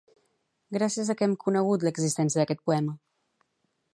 Gràcies a què hem conegut l'existència d'aquest poema?